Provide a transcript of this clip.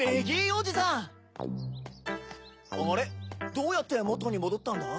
どうやってもとにもどったんだ？